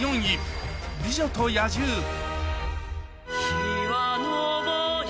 日は昇り